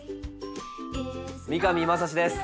三上真史です。